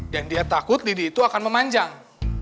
dan dia takut lidi itu akan memanjang